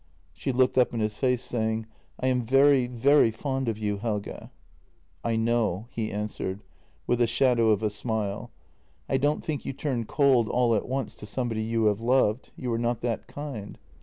She looked up in his face, saying: " I am very, very fond of you, Helge." " I know," he answered, with a shadow of a smile. " I don't think you turn cold all at once to somebody you have loved — you are not that kind.